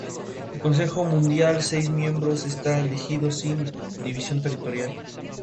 El consejo municipal de seis miembros está elegido sin división territorial.